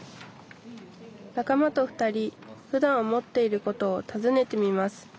仲間と２人ふだん思っていることをたずねてみます